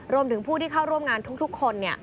รวมถึงผู้ที่เข้าร่วมงานทุกคน